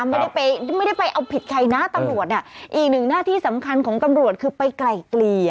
ไม่ได้ไปไม่ได้ไปเอาผิดใครนะตำรวจน่ะอีกหนึ่งหน้าที่สำคัญของตำรวจคือไปไกลเกลี่ย